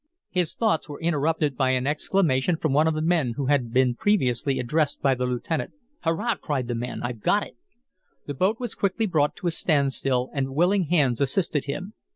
His thoughts were interrupted by an exclamation from one of the men who had been previously addressed by the lieutenant. "Hurrah!" cried the man. "I've got it!" The boat was quickly brought to a standstill, and willing hands assisted him.